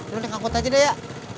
lo nih ngangkut aja deh ya